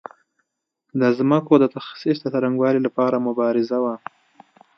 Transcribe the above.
د ځمکو د تخصیص د څرنګوالي لپاره مبارزه وه.